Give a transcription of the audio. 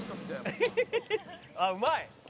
「あっうまい！」